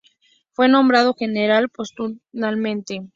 Fue nombrado general póstumamente.